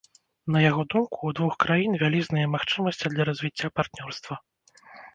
На яго думку, у двух краін вялізныя магчымасці для развіцця партнёрства.